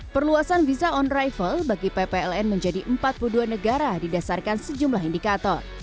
perluasan visa on arrival bagi ppln menjadi empat puluh dua negara didasarkan sejumlah indikator